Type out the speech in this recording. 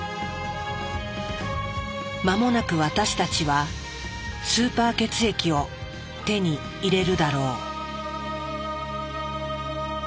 間もなく私たちはスーパー血液を手に入れるだろう。